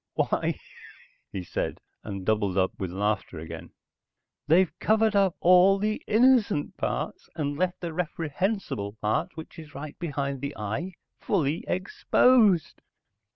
"Why," he said, and doubled up with laughter again. "They've covered up all the innocent parts and left the reprehensible part, which is right behind the eye, fully exposed."